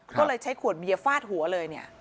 ก็เลยใช้ขวดเบียบฟาดหัวเลย